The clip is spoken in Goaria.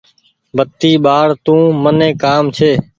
بتي ٻآڙ تو مني ڪآم ڇي۔